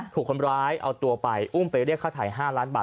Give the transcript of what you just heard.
ถูกคนร้ายเอาตัวไปอุ้มไปเรียกค่าถ่าย๕ล้านบาท